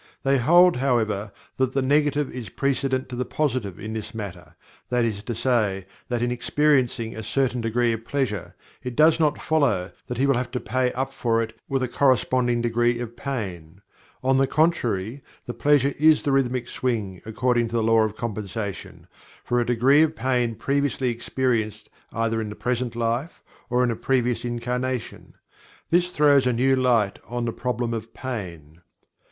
They hold, however, that the Negative is precedent to the Positive in this matter, that is to say that in experiencing a certain degree of pleasure it does not follow that he will have to "pay up for it" with a corresponding degree of pain; on the contrary, the pleasure is the Rhythmic swing, according to the Law of Compensation, for a degree of pain previously experienced either in the present life, or in a previous incarnation. This throws a new light on the Problem of Pain.